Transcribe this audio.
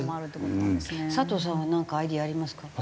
佐藤さんはなんかアイデアありますか？